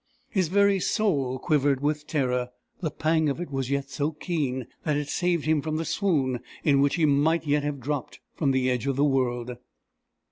His very soul quivered with terror. The pang of it was so keen that it saved him from the swoon in which he might yet have dropped from the edge of the world.